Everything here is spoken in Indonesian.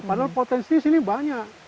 padahal potensi sini banyak